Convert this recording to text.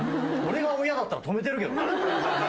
俺が親だったら止めてるけどね。